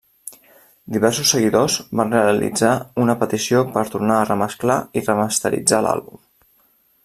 Diversos seguidors van realitzar una petició per tornar a remesclar i remasteritzar l'àlbum.